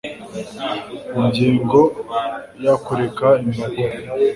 Ingingo ya Kureka imbago